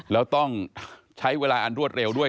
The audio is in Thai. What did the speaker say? แล้วต้องใช้เวลาอันรวดเร็วด้วย